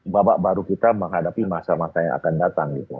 babak baru kita menghadapi masa masa yang akan datang gitu